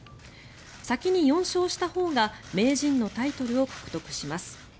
先に４勝したほうが名人のタイトルを獲得します。